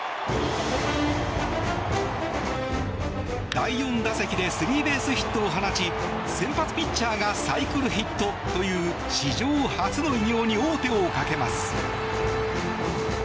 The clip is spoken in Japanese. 第４打席でスリーベースヒットを放ち先発ピッチャーがサイクルヒットという史上初の偉業に王手をかけます。